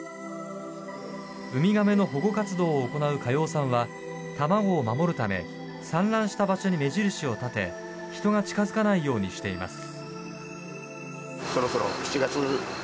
ウミガメの保護活動を行う嘉陽さんは、卵を守るため産卵した場所に目印を立て、人が近づかないようにしています。